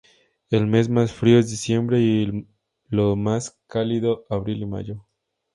El mes más frío es diciembre y los más cálidos abril y mayo.